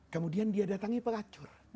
kemudian dia datangi pelacur